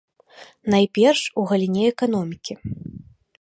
Найперш, у галіне эканомікі.